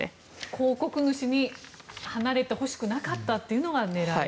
広告主に離れてほしくなかったのが狙いと。